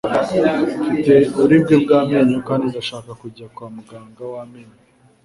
Mfite uburibwe bw'amenyo kandi ndashaka kujya kwa muganga w'amenyo